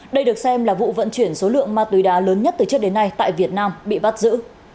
đây được xem là vụ vận chuyển số lượng ma túy đá lớn nhất từ trước đến nay tại việt nam bị bắt giữ